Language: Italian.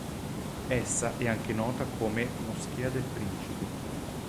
Essa è anche nota come “moschea del principe”.